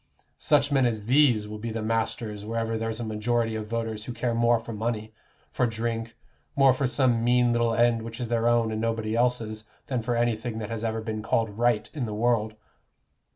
Such men as these will be the masters wherever there's a majority of voters who care more for money, for drink, more for some mean little end which is their own and nobody else's, than for anything that has ever been called Right in the world.